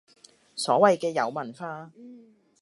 所謂嘅有文化